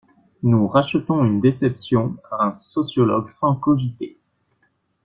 Nous rachetons une déception à un sociologue sans cogiter.